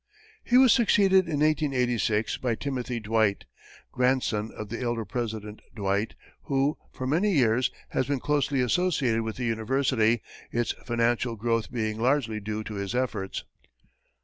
He was succeeded in 1886 by Timothy Dwight, grandson of the elder president Dwight, who, for many years has been closely associated with the University, its financial growth being largely due to his efforts.